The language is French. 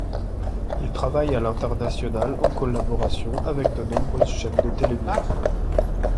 Il travaille à l'international en collaboration avec de nombreuses chaînes de télévision.